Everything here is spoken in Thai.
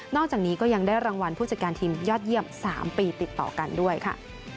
อกจากนี้ก็ยังได้รางวัลผู้จัดการทีมยอดเยี่ยม๓ปีติดต่อกันด้วยค่ะ